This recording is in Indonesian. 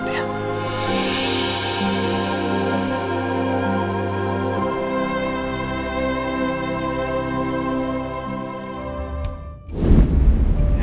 pak kamu harus kuat